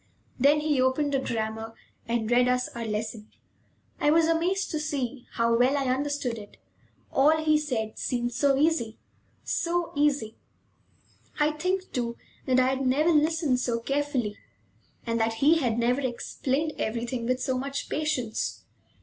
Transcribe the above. Then he opened a grammar and read us our lesson. I was amazed to see how well I understood it. All he said seemed so easy, so easy! I think, too, that I had never listened so carefully, and that he had never explained everything with so much patience.